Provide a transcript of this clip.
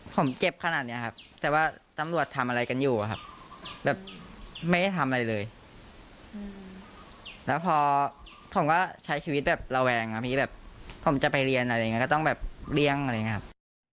ผมจะไปเรียนอะไรอย่างนี้ก็ต้องแบบเลี่ยงอะไรอย่างนี้ครับ